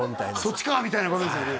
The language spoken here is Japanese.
そっちかみたいなことですよね